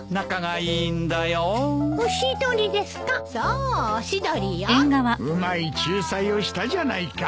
うまい仲裁をしたじゃないか。